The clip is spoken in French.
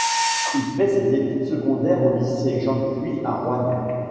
Il fait ses études secondaires au lycée Jean-Puy à Roanne.